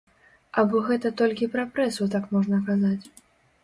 Або гэта толькі пра прэсу так можна казаць?